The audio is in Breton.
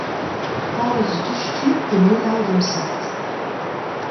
Paouez diouzhtu pe me a lâro da'm zad.